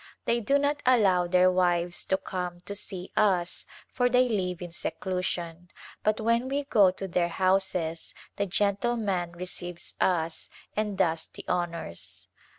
They do not allow their wives to come to see us for they live in seclusion, but when we go to their houses the gentleman receives us and does the honors.